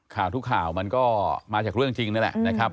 ข่าวทุกข่าวมันก็มาจากเรื่องจริงนั่นแหละนะครับ